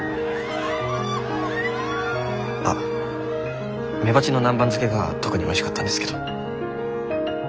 あメバチの南蛮漬けが特においしかったんですけど。